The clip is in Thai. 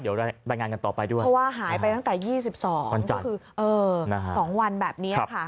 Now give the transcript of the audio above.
เดี๋ยวรายงานกันต่อไปด้วยเพราะว่าหายไปตั้งแต่๒๒ก็คือ๒วันแบบนี้ค่ะ